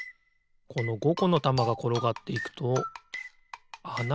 この５このたまがころがっていくとあながあるな。